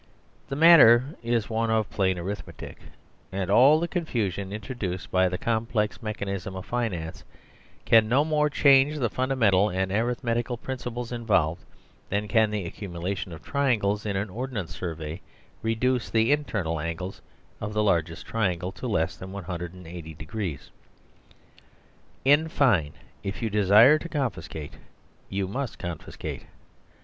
The matter is one of plain arithmetic, and all the con fusion introduced by the complex mechanism of "finance " can no more change the fundamental and arithmetical prin ciples involved than can the accumulation of triangles in an ordnance survey reduce the internal angles of the largest triangle to less than 180 degrees.* In fine: if you desire to confiscate, you must confiscate.